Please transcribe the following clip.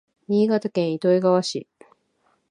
新潟県糸魚川市